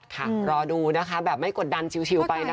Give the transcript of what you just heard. รอดูนะคะแบบไม่กดดันชิลไปนะคะ